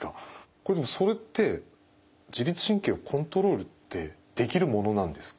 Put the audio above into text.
これでもそれって自律神経をコントロールってできるものなんですか？